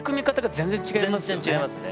全然違いますね。